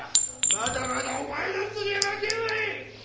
まだまだお前なんぞには負けんわい！